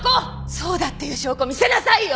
そうだっていう証拠見せなさいよ！